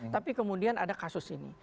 tapi kemudian ada kasus ini